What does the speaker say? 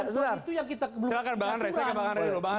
itu yang kita belum mengatakan